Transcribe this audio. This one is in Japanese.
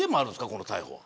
この逮捕は。